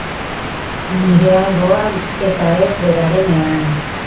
Nire alboan, eta ez berarenean.